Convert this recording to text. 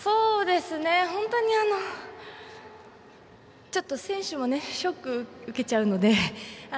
本当に、ちょっと選手もショックを受けちゃうので。